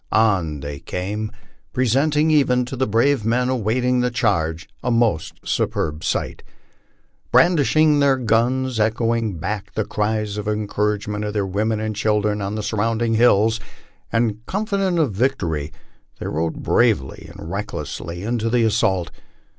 On they came, presenting even to the brave men awaiting the charge a most superb sight. Brandishing their guns, echoing back the cries of encouragement of their women and children on the surrounding hills, and confident of victory, they rode bravely and recklessly to the assault.